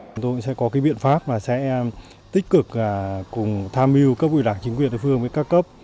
chúng tôi sẽ có biện pháp và sẽ tích cực tham mưu các vị đảng chính quyền địa phương với các cấp